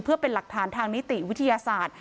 เพื่อเป็นหลักฐานทางนิติวิทยาศาสตร์